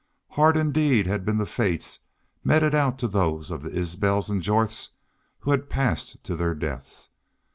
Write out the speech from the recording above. Hard indeed had been the fates meted out to those of the Isbels and Jorths who had passed to their deaths.